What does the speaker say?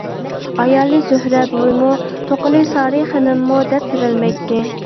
ئايالى زۆھرە بۈۋىمۇ، توقىلى سارى خېنىممۇ دەپ بېرەلمەيتتى.